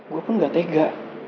gue pun gak tega